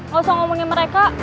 gak usah ngomongin mereka